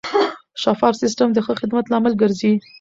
شفاف سیستم د ښه خدمت لامل ګرځي.